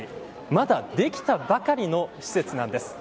まだ、できたばかりの施設なんです。